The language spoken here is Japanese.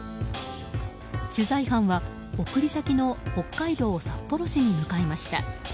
取材班は、送り先の北海道札幌市に向かいました。